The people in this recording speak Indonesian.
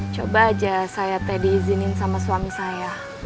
coba aja saya diizinin sama suami saya